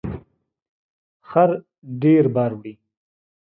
خر ډیر بار وړي